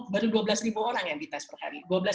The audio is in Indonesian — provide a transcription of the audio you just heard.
baru dua belas ribu orang yang dites per hari